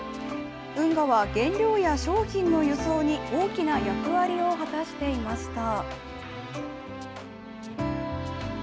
運河は原料や商品の輸送に大きな役割を果たしていました。